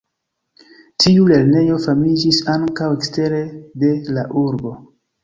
Tiu lernejo famiĝis ankaŭ ekstere de la urbo.